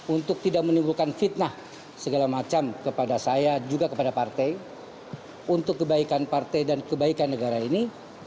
untuk tidak menimbulkan fitnah segala macam kepada saya juga kepada partai untuk kebaikan partai dan kebaikan negara ini